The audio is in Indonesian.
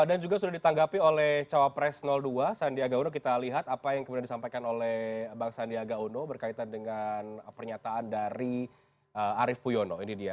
dan juga sudah ditanggapi oleh cawapres dua sandiaga uno kita lihat apa yang kemudian disampaikan oleh bang sandiaga uno berkaitan dengan pernyataan dari arief furiono ini dia